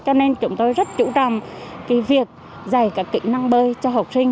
cho nên chúng tôi rất chủ trọng việc giải cả kỹ năng bơi cho học sinh